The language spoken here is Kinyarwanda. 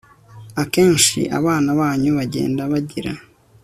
Akenshi abana banyu bagenda bagira